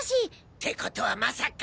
って事はまさか。